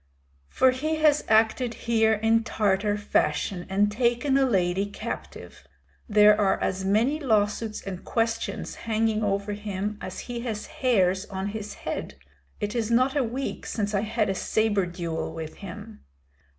"For he has acted here in Tartar fashion and taken a lady captive. There are as many lawsuits and questions hanging over him as he has hairs on his head. It is not a week since I had a sabre duel with him."